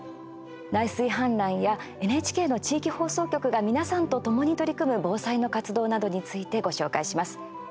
内水氾濫やＮＨＫの地域放送局が皆さんとともに取り組む防災の活動などについてご紹介します。